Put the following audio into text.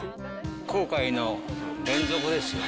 後悔の連続ですよ。